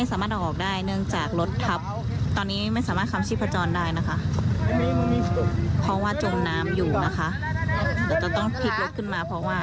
จะต้องพลิกรถขึ้นมาเพราะว่า